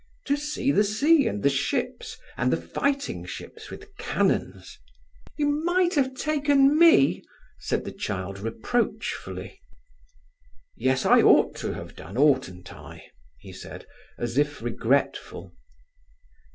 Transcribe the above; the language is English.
"To see the sea and the ships and the fighting ships with cannons—" "You might have taken me," said the child reproachfully. "Yes, I ought to have done, oughtn't I?" he said, as if regretful.